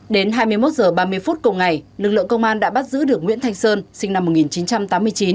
đến hai mươi một h ba mươi phút cùng ngày lực lượng công an đã bắt giữ được nguyễn thanh sơn sinh năm một nghìn chín trăm tám mươi chín